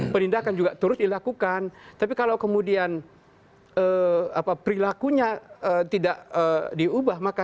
penindakan juga terus dilakukan tapi kalau kemudian apa perilakunya tidak diubah maka